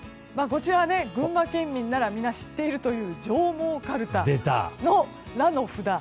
こちらは群馬県民ならみんな知っている上毛かるたの「ら」の札。